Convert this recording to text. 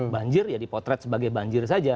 banjir ya dipotret sebagai banjir saja